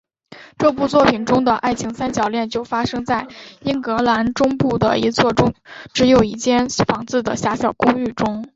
这部作品中的爱情三角恋就发生在英格兰中部的一座只有一间房子的狭小公寓中。